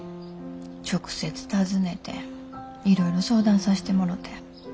直接訪ねていろいろ相談さしてもろて。